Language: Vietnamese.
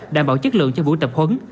đảm bảo chất lượng cho buổi tập huấn